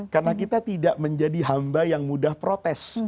karena kita tidak menjadi hamba yang mudah protes